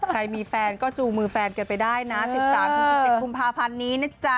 ใครมีแฟนก็จูงมือแฟนกันไปได้นะ๑๓๑๗กุมภาพันธ์นี้นะจ๊ะ